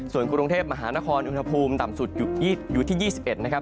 ส่วนกรุงเทพมหานครอุณหภูมิต่ำสุดอยู่ที่๒๑นะครับ